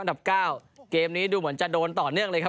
ดับ๙เกมนี้ดูเหมือนจะโดนต่อเนื่องเลยครับ